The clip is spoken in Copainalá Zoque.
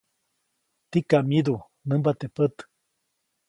Tikam myidu, nämba teʼ pät.